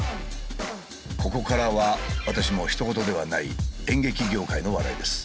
ここからは私もひと事ではない演劇業界の話題です。